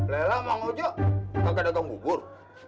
lelah mau gak datang bubur